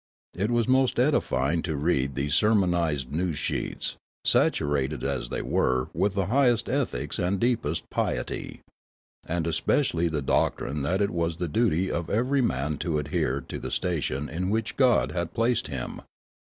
It was most edifying to read these sermonised news sheets, saturated as thej^ were with the highest ethics and deepest piety, and especially the doctrine that it was the duty of ever}^ man to adhere to the station in which God had placed him.